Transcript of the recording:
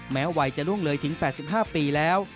แม้วัยจะล่วงเลยถึง๘๕ปีแล้ว